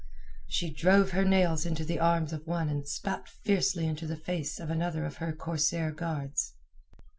She drove her nails into the arms of one and spat fiercely into the face of another of her corsair guards.